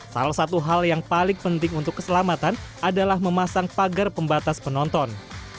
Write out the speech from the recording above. salah satu hal yang paling penting untuk keselamatan adalah memasang pagar pembatas penonton